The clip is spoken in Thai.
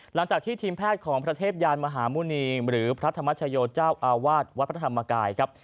หลังจากที่ทีมแพทย์ของพระเทพยานมหาหมุณีหรือพระธรรมชโยเจ้าอาวาสวัดพระธรรมกายครับ